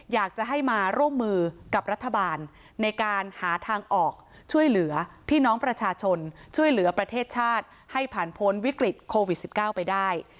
อยากจะให้มาร่วมมือกับรัฐบาลในการหาทางออกช่วยเหลือพี่น้องประชาชนช่วยเหลือประเทศชาติให้ผ่านพ้นวิกฤตโควิด๑๙ไปได้